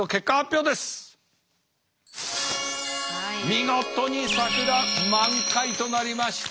見事に桜満開となりました。